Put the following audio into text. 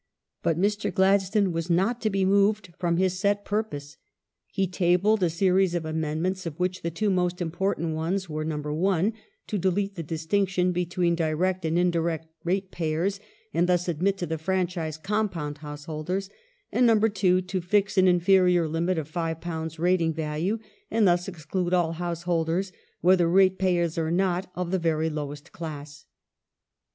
But Mr. Gladstone was not to be moved from his set purpose. He tabled a series of amend ments of, which the two most important were : (1) to delete the distinction between direct and indirect ratepayei s, and thus admit to the franchise " compound householders "; and (2) to fix an in ferior limit of £5 rating value and thus exclude all householders, whether ratepayers or not, of the very lowest class.